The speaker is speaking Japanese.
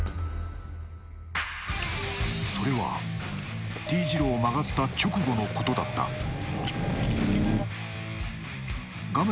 それはＴ字路を曲がった直後のことだった画面